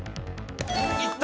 いった！